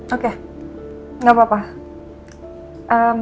oke gak apa apa